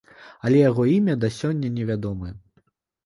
Але яго імя да сёння невядомае.